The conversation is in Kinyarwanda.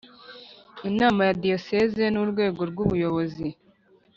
Inama ya Diyoseze ni urwego rw ubuyobozi